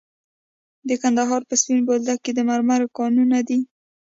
د کندهار په سپین بولدک کې د مرمرو کانونه دي.